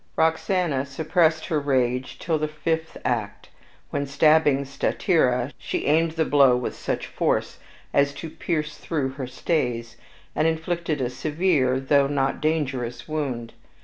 Roxana suppressed her rage till the fifth act, when, stabbing Statira, she aimed the blow with such force as to pierce through her stays, and inflict a severe though not dangerous wound.